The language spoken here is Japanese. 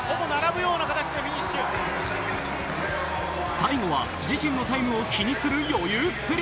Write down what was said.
最後は自身のタイムを気にする余裕っぷり。